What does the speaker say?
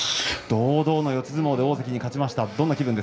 堂々の四つ相撲で大関に勝ちました。